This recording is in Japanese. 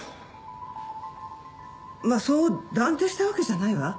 まあそう断定したわけじゃないわ。